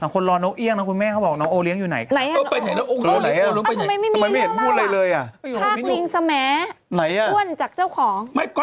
คนรอนกเอี่ยงนะคุณแม่เขาบอกน้องโอเลี้ยอยู่ไหนคะ